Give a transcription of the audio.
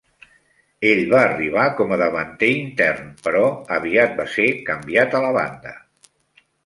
Ell va arribar com a davanter intern, però aviat va ser canviat a la banda.